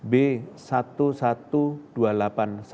b satu satu dua delapan satu atau jawa inggris